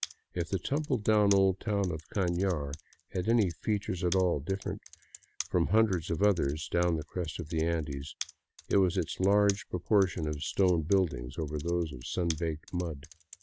If the tumble down old town of Canar had any features at all different from hundreds of others down the crest of the Andes, it was its large pro portion of stone buildings over those of sun baked mud.